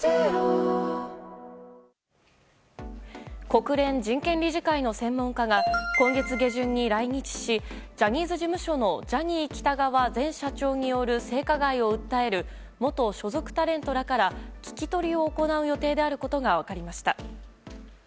国連人権理事会の専門家が今月下旬に来日しジャニーズ事務所のジャニー喜多川前社長による性加害を訴える元所属タレントらから聞き取りを行う予定であることが分かりました。